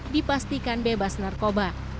dipastikan bebas narkoba